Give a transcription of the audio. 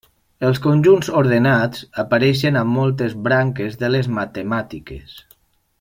Els conjunts ordenats apareixen a moltes branques de les matemàtiques.